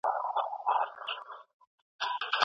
ولې ځايي واردوونکي طبي درمل له ازبکستان څخه واردوي؟